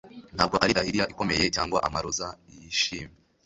Ntabwo ari dahliya ikomeye cyangwa amaroza yishimye